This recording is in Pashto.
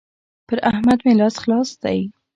پر احمد مې لاس خلاص دی.